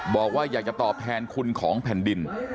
บอกว่าอยากจะตอบแทนคุณของแผ่นดิน